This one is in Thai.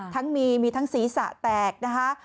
ทั้งมีมีทั้งศีรษะแตกนะคะ